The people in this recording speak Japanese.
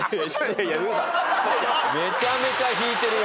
・めちゃめちゃ引いてるよ。